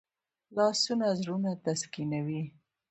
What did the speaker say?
لاسونه زړونه تسکینوي